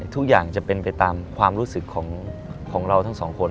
ทุกอย่างจะเป็นไปตามความรู้สึกของเราทั้งสองคน